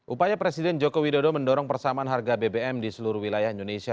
upaya presiden joko widodo mendorong persamaan harga bbm di seluruh wilayah indonesia